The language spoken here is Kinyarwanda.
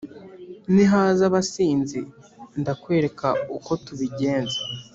nihaza abasizi ndakwereka uko tubigenza